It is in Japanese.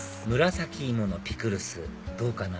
紫いものピクルスどうかな？